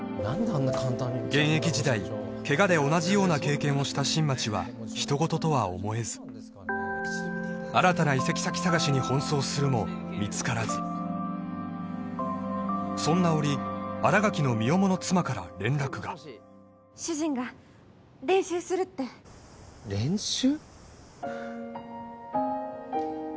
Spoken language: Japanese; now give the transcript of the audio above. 現役時代ケガで同じような経験をした新町はひと事とは思えず新たな移籍先探しに奔走するも見つからずそんな折新垣の身重の妻から連絡が主人が練習するって練習？